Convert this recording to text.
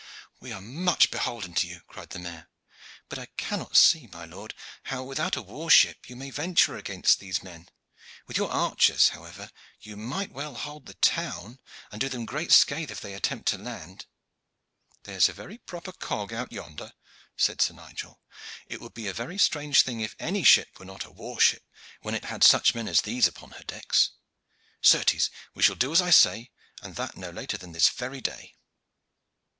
"We are much beholden to you!" cried the mayor "But I cannot see, my lord, how, without a war ship, you may venture against these men. With your archers, however, you might well hold the town and do them great scath if they attempt to land." "There is a very proper cog out yonder," said Sir Nigel, "it would be a very strange thing if any ship were not a war ship when it had such men as these upon her decks. Certes, we shall do as I say, and that no later than this very day."